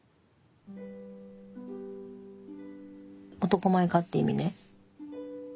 男前かって意味ね。